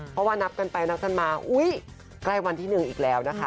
เพราะว่านับกันไปนับกันมาอุ๊ยใกล้วันที่๑อีกแล้วนะคะ